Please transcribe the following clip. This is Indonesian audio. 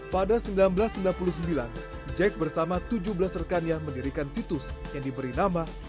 pada seribu sembilan ratus sembilan puluh sembilan jack bersama tujuh belas rekannya mendirikan situs yang diberi nama